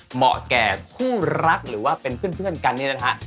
เหมาะแก่คู่รักหรือว่าเป็นเพื่อนกันเนี่ยนะฮะ